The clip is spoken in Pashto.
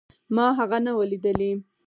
ما هغه نه و ليدلى.